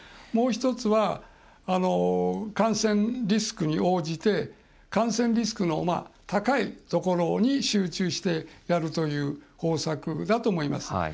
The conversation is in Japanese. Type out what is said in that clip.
もう１つは、感染リスクに応じて感染リスクの高いところに集中してやるという方策だと思います。